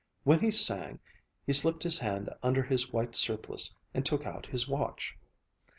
While he sang he slipped his hand under his white surplice and took out his watch.